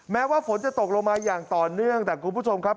แม้ว่าฝนจะตกลงมาอย่างต่อเนื่องแต่คุณผู้ชมครับ